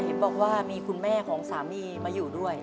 เห็นบอกว่ามีคุณแม่ของสามีมาอยู่ด้วย